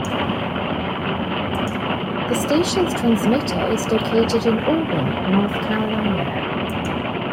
The station's transmitter is located in Auburn, North Carolina.